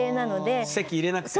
籍入れなくても？